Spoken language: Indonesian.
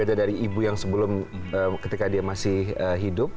beda dari ibu yang sebelum ketika dia masih hidup